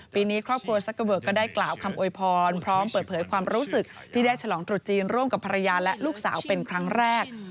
ปีนี้ครอบครัวซักเกอร์เวิร์กก็ได้กล่าวคำโวยพรพร้อมเปิดเผยความรู้สึกที่ได้ฉลองตรุษจีนร่วมกับภรรยาและลูกสาวเป็นครั้งแรก